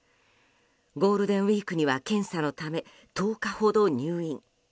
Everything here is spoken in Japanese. ゴールデンウィークには検査のため１０日ほど入院。